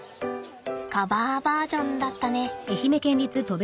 カバーバージョンだったね。